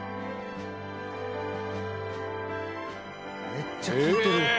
めっちゃ効いてるやん。